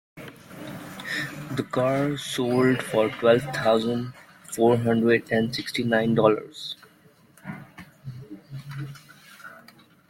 The car sold for twelve thousand four hundred and sixty nine dollars.